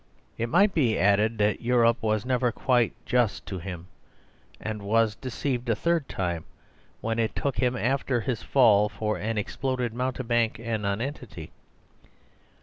It might be added that Europe was never quite just to him, and was deceived a third time, when it took him after his fall for an exploded mountebank and nonentity.